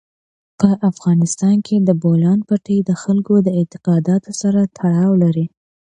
په افغانستان کې د بولان پټي د خلکو د اعتقاداتو سره تړاو لري.